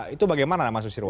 itu bagaimana mas susirwa